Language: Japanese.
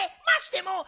ましても！